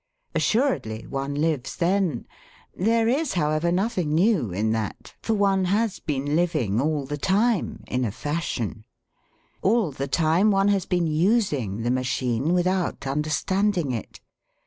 Assuredly one lives then; there is, however, nothing new in that, for one has been living all the time, in a fashion; all the time one has been using the machine without understanding it.